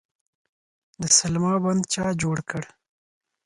د سلما بند چا جوړ کړ؟